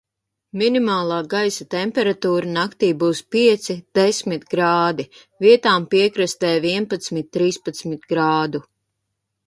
Minimālā gaisa temperatūra naktī būs pieci desmit grādi, vietām piekrastē vienpadsmit trīspadsmit grādu.